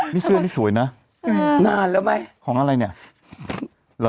นี่เสื้อนี่สวยนะนานแล้วไหมของอะไรเนี่ยเหรอ